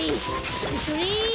それそれ！